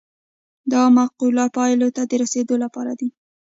دا معقولو پایلو ته د رسیدو لپاره دی.